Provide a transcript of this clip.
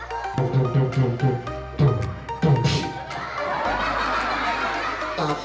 tetap ke teman teman begitu mengingat